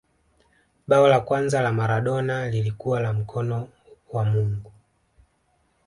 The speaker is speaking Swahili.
bao la kwanza la maradona lilikuwa la mkono wa mungu